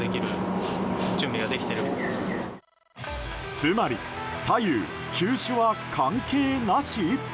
つまり左右、球種は関係なし？